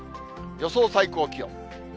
予想最高気温。